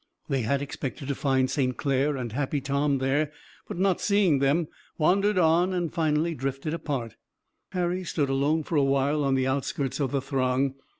They had expected to find St. Clair and Happy Tom there, but not seeing them, wandered on and finally drifted apart. Harry stood alone for a while on the outskirts of the throng.